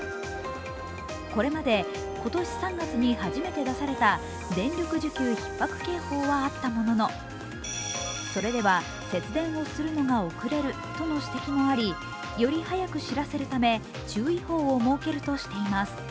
これまで今年３月に初めて出された電力需給ひっ迫警報はあったもののそれでは節電をするのが遅れるとの指摘もありより早く知らせるため注意報を設けるとしています。